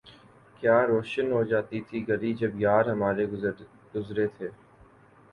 کیا روشن ہو جاتی تھی گلی جب یار ہمارا گزرے تھا